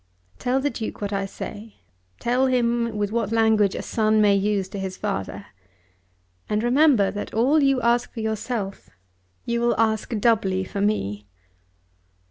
Tell the Duke what I say; tell him with what language a son may use to his father. And remember that all you ask for yourself you will ask doubly for me."